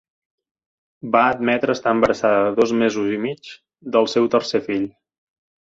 Va admetre estar embarassada de dos mesos i mig del seu tercer fill.